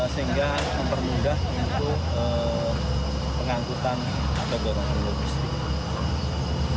sehingga mempermudah untuk pengangkutan atau golongan logistik